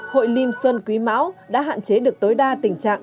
hội lim xuân quý máu đã hạn chế được tối đa tình trạng